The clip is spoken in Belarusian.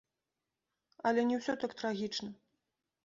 Але не ўсё так трагічна.